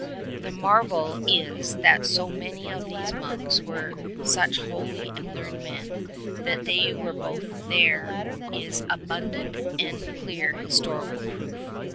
The marvel is that so many of these monks were such holy and learned men; that they were both there is abundant and clear historical proof.